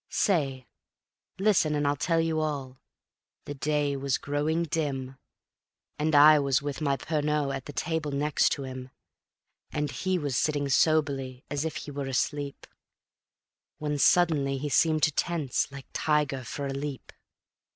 Say! Listen and I'll tell you all ... the day was growing dim, And I was with my Pernod at the table next to him; And he was sitting soberly as if he were asleep, When suddenly he seemed to tense, like tiger for a leap.